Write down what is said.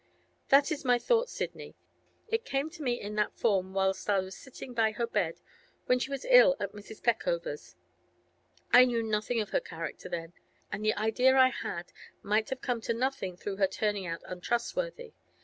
'That is my thought, Sidney. It came to me in that form whilst I was sitting by her bed, when she was ill at Mrs. Peckover's. I knew nothing of her character then, and the idea I had might have come to nothing through her turning out untrustworthy.